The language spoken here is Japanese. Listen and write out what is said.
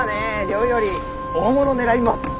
量より大物狙います。